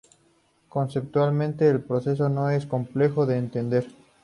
Conceptualmente, el proceso no es complejo de entender.